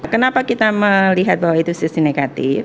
kenapa kita melihat bahwa itu sisi negatif